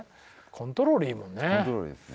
コントロールいいですね。